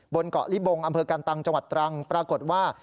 บนเกาะลิบงอำเภอกันตังจังหวัดตรังปรากฏว่า